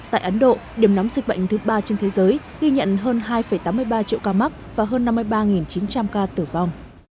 tại ấn độ điểm nóng dịch bệnh thứ ba trên thế giới ghi nhận hơn hai tám mươi ba triệu ca mắc và hơn năm mươi ba chín trăm linh ca tử vong